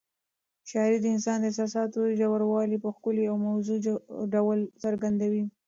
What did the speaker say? شاعري د انسان د احساساتو ژوروالی په ښکلي او موزون ډول څرګندوي.